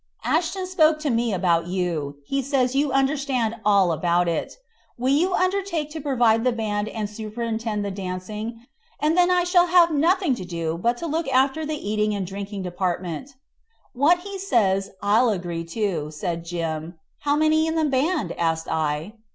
Ashton spoke to me about you. He says you understand all about it. Will you undertake to provide the band and superintend the dancing, and then I shall have nothing to do but to look after the eating and drinking department" "What he says I'll agree to," said Jim. "How many in the band?" asked I.